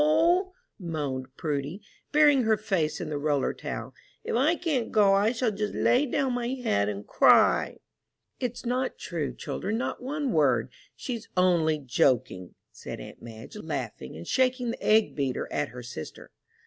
moaned Prudy, burying her face in the roller towel, "if I can't go I shall just lay down my head and cry!" "It's not true, children, not one word; she's only joking," said aunt Madge, laughing and shaking the egg beater at her sister.